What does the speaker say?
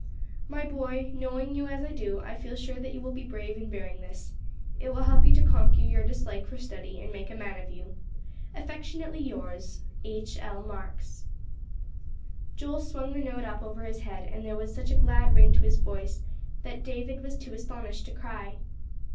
"My boy, knowing you as I do, I feel sure that you will be brave in bearing this. It will help you to conquer your dislike for study and make a man of you. Affectionately yours, H. L. Marks." Joel swung the note up over his head, and there was such a glad ring to his voice that David was too astonished to cry.